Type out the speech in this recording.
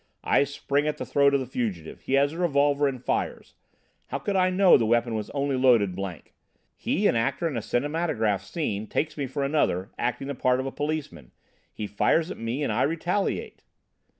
I spring at the throat of the fugitive. He has a revolver and fires. How could I know the weapon was only loaded blank? He, an actor in a cinematograph scene, takes me for another, acting the part of a policeman. He fires at me and I retaliate."